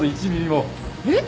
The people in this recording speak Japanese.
えっ？